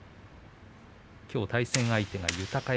きょう対戦相手が豊山。